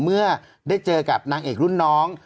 เมื่อได้เจอกับนางเอกรุ่นน้อง